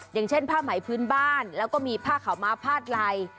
อย่างเช่นผ้าไหมพื้นบ้านแล้วก็มีผ้าขาวม้าพาดไหล่